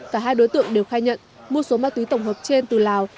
cả hai đối tượng đều khai nhận mua số ma túy tổng hợp trên từ lào